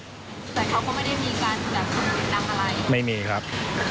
แต่เขาก็ไม่ได้มีการแบบดังอะไรไม่มีครับ